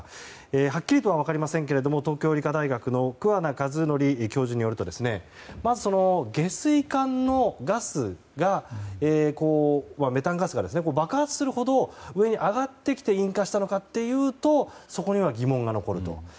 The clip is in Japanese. はっきりとは分かりませんが東京理科大学の桑名一徳教授によるとまず、下水管のメタンガスが爆発するほど上に上がってきて引火したのかというとそこには疑問が残ると。